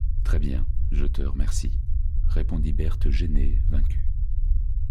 Très bien, je te remercie, répondit Berthe gênée, vaincue.